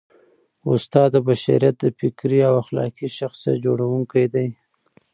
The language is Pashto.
استاد د بشریت د فکري او اخلاقي شخصیت جوړوونکی دی.